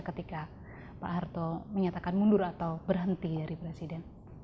ketika pak harto menyatakan mundur atau berhenti dari presiden